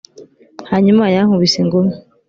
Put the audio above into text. hanyuma yankubise ingumi